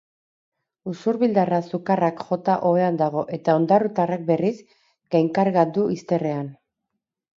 Usurbildarra sukarrak jota ohean dago eta ondarrutarrak berriz, gainkarga du izterrean.